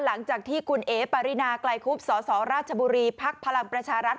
หลังจากที่คุณเอ๋ปารินาไกลคุบสสราชบุรีภักดิ์พลังประชารัฐ